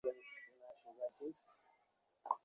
এক রাতে প্রবল তুষারপাত হচ্ছে।